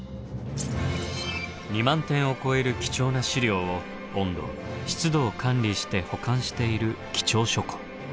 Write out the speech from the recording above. ２万点を超える貴重な資料を温度・湿度を管理して保管している貴重書庫。